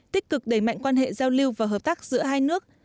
tích cực đẩy mạnh quan hệ giao lưu và hợp tác giữa hai nước